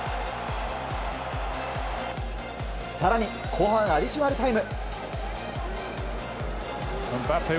更に後半アディショナルタイム。